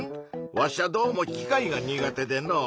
わしゃどうも機械が苦手でのう。